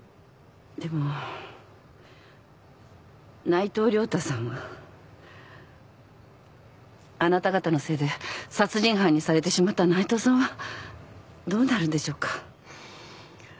でも内藤良太さんは？あなた方のせいで殺人犯にされてしまった内藤さんはどうなるんでしょうか？